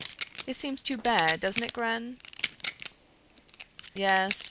It seems too bad, doesn't it, Gren?" "Yes.